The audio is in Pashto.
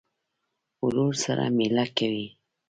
ورور سره مېله کوې.